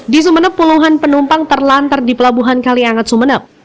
di sumeneb puluhan penumpang terlantar di pelabuhan kaliangat sumeneb